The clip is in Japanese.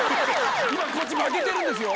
今こっち負けてるんですよ。